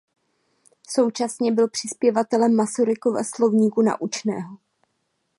Současně byl přispěvatelem Masarykova slovníku naučného.